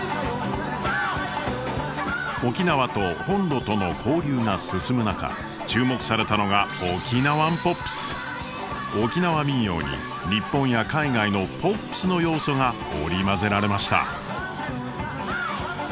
沖縄と本土との交流が進む中注目されたのが沖縄民謡に日本や海外のポップスの要素が織り交ぜられました。